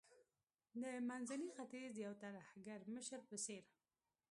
د منځني ختیځ د یو ترهګر مشر په څیر